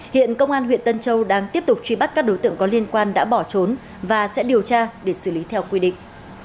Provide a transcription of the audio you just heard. hiện công an huyện tân châu đang tiếp tục truy bắt các đối tượng có liên quan đã bỏ trốn và sẽ điều tra để xử lý theo quy định